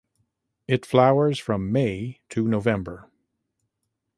It flowers from May to November.